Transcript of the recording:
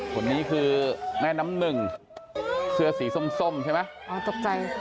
คนนี้คือแม่น้ำหนึ่งเสื้อสีส้มส้มใช่ไหมอ๋อตกใจ